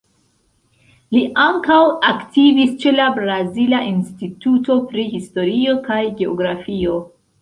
Li ankaŭ aktivis ĉe la Brazila Instituto pri Historio kaj Geografio.